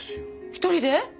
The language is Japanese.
一人で？